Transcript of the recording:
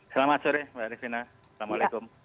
selamat sore mbak rifina assalamualaikum